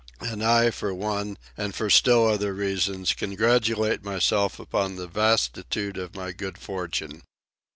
And I, for one, and for still other reasons, congratulate myself upon the vastitude of my good fortune.